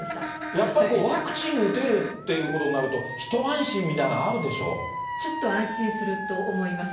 やっぱりワクチン打てるっていうことになると、ちょっと安心すると思います。